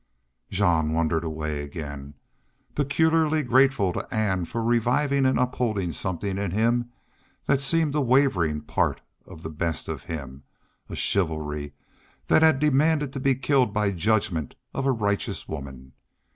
Jean wandered away again, peculiarly grateful to Ann for reviving and upholding something in him that seemed a wavering part of the best of him a chivalry that had demanded to be killed by judgment of a righteous woman.